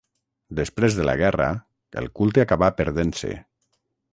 Després de la guerra, el culte acaba perdent-se.